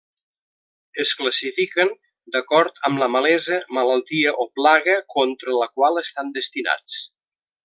Es classifiquen d'acord amb la malesa, malaltia o plaga contra la qual estan destinats.